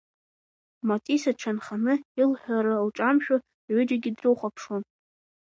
Маҵиса дшанханы, илҳәара лҿамшәо, рҩыџьегьы дрыхәаԥшуан…